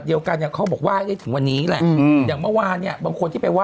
ตี๒กับตี๓วันวานนี้